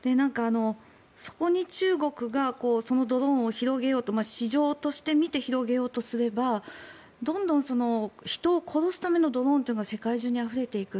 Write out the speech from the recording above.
そこに中国がそのドローンを広げようと市場として見て広げようとすればどんどん人を殺すためのドローンというのが世界中にあふれていく。